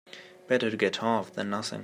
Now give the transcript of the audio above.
Better to get half than nothing.